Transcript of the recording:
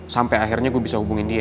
sampai akhirnya gue bisa hubungin dia